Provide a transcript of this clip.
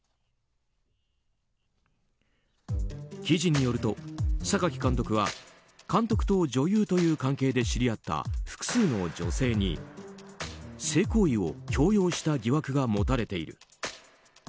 記事によると、榊監督は監督と女優という関係で知り合った複数の女性に性行為を強要した疑惑が持たれている。